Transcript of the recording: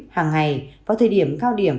hàng ngày vào thời điểm cao điểm